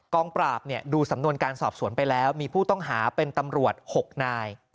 งปราบดูสำนวนการสอบสวนไปแล้วมีผู้ต้องหาเป็นตำรวจ๖นาย